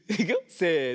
せの。